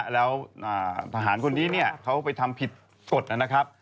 แล้วทหารคนนี้เขาไปทำผิดกฎนะครับ